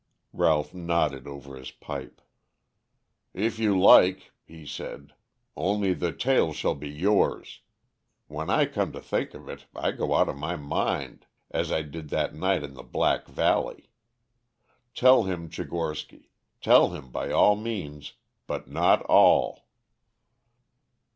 Ralph nodded over his pipe. "If you like," he said. "Only the tale shall be yours. When I come to think of it, I go out of my mind, as I did that night in the Black Valley. Tell him, Tchigorsky; tell him by all means but not all."